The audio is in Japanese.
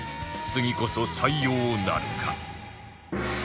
次こそ採用なるか？